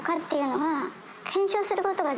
は